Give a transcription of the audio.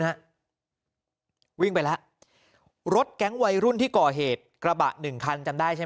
ฮะวิ่งไปแล้วรถแก๊งวัยรุ่นที่ก่อเหตุกระบะหนึ่งคันจำได้ใช่ไหม